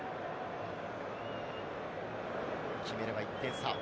決めれば１点差。